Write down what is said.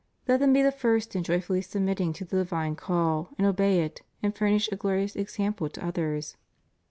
Let them be the first in jo3''fully submitting to the divine call, and obey it, and furnish a glorious example to others.